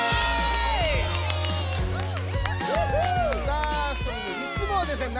さあいつもはですね